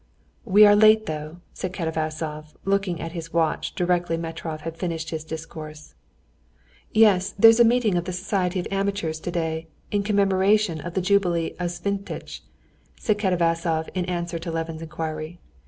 "We are late though," said Katavasov, looking at his watch directly Metrov had finished his discourse. "Yes, there's a meeting of the Society of Amateurs today in commemoration of the jubilee of Svintitch," said Katavasov in answer to Levin's inquiry.